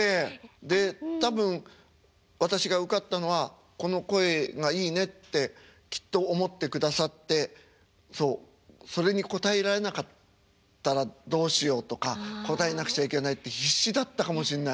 で多分私が受かったのはこの声がいいねってきっと思ってくださってそうそれに応えられなかったらどうしようとか応えなくちゃいけないって必死だったかもしんない。